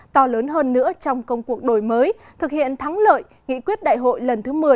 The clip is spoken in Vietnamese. to lớn hơn nữa trong công cuộc đổi mới thực hiện thắng lợi nghị quyết đại hội lần thứ một mươi